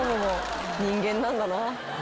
人間なんだな。